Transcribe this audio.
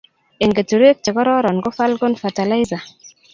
Eng keturek che kororon ko Falcon fertilizer